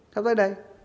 sao tới đây